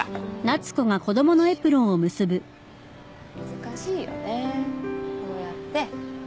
難しいよねこうやって。